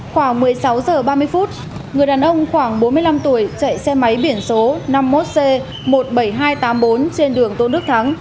khoảng một mươi sáu h ba mươi người đàn ông khoảng bốn mươi năm tuổi chạy xe máy biển số năm mươi một c một mươi bảy nghìn hai trăm tám mươi bốn trên đường tôn đức thắng